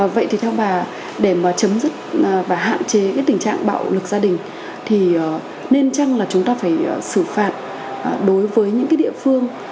vậy thì theo bà để mà chấm dứt và hạn chế cái tình trạng bạo lực gia đình thì nên chăng là chúng ta phải xử phạt đối với những cái địa phương